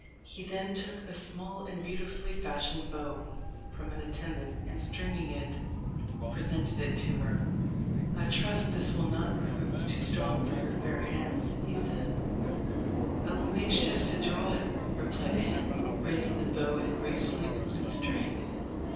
He then took a small and beautifully fashioned bow from an attendant, and stringing it, presented it to her. "I trust this will not prove too strong for your fair hands," he said. "I will make shift to draw it," replied Anne, raising the bow, and gracefully pulling the string.